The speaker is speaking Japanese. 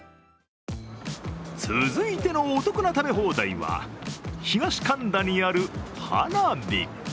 続いてのお得な食べ放題は、東神田にある、はなび。